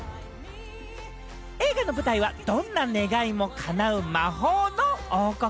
映画の舞台はどんな願いもかなう魔法の王国。